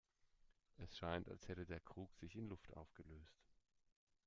Es scheint, als hätte der Krug sich in Luft aufgelöst.